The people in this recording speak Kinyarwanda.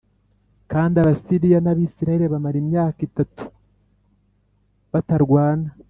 Kandi Abasiriya n’Abisirayeli bamara imyaka itatu batarwana